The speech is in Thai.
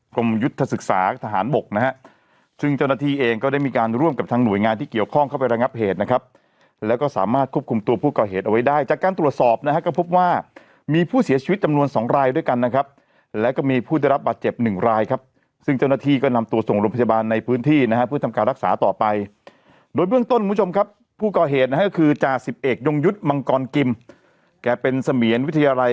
กรมยุทธศึกษาทหารบกนะครับซึ่งเจ้าหน้าที่เองก็ได้มีการร่วมกับทางหน่วยงานที่เกี่ยวข้องเข้าไประงับเหตุนะครับแล้วก็สามารถควบคุมตัวผู้ก่อเหตุเอาไว้ได้จากการตรวจสอบนะครับก็พบว่ามีผู้เสียชีวิตจำนวนสองรายด้วยกันนะครับแล้วก็มีผู้ได้รับบาดเจ็บหนึ่งรายครับซึ่งเจ้าหน้าที่ก็นำตัว